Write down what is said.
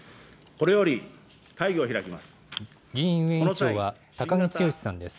これより会を開きます。